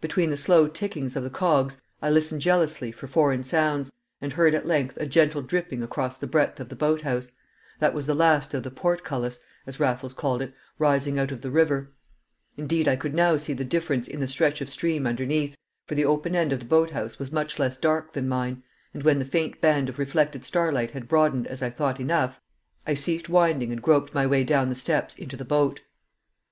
Between the slow ticking of the cogs I listened jealously for foreign sounds, and heard at length a gentle dripping across the breadth of the boathouse; that was the last of the "portcullis," as Raffles called it, rising out of the river; indeed, I could now see the difference in the stretch of stream underneath, for the open end of the boathouse was much less dark than mine; and when the faint band of reflected starlight had broadened as I thought enough, I ceased winding and groped my way down the steps into the boat.